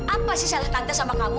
apa sih salah tante sama kamu